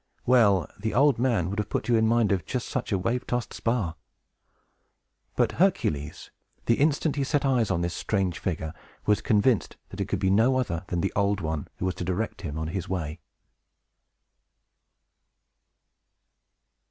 Well, the old man would have put you in mind of just such a wave tost spar! But Hercules, the instant he set eyes on this strange figure, was convinced that it could be no other than the Old One, who was to direct him on his way.